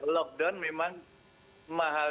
lockdown memang mahal